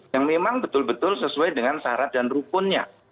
yang memang betul betul sesuai dengan syarat dan rukunnya